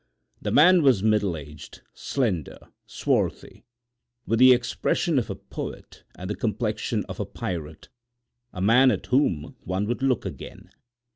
The man was middle aged, slender, swarthy, with the expression of a poet and the complexion of a pirate—a man at whom one would look again.